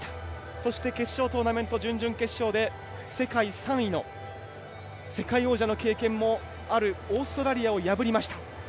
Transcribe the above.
そして、決勝トーナメント準々決勝で世界３位の世界王者の経験もあるオーストラリアを破りました。